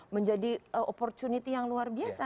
menjadi opportunity yang luar biasa